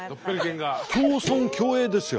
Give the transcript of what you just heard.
共存共栄ですよ。